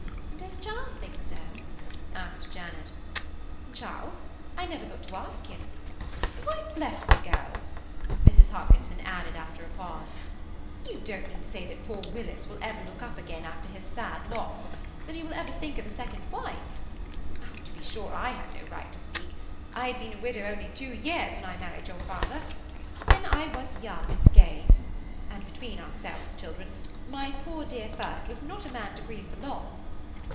"Does Charles think so?" asked Janet. "Charles? I never thought to ask him. Why bless me, girls!" Mrs. Hopkinson added, after a pause, "you don't mean to say that poor Willis will ever look up again after his sad loss–that he will ever think of a second wife? To be sure, I have no right to speak; I had been a widow only two years when I married your father; but then I was young and gay, and between ourselves, children, my poor dear first was not a man to grieve for long.